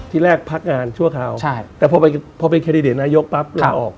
ที่แรกพักงานชั่วคราวใช่แต่พอเป็นแคนดิเดตนายกปั๊บลาออก